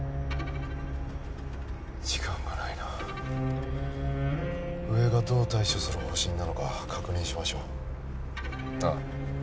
時間がないなあ上がどう対処する方針なのか確認しましょうああ